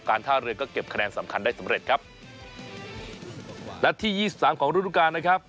ท่าเรือก็เก็บคะแนนสำคัญได้สำเร็จครับนัดที่ยี่สิบสามของฤดูการนะครับ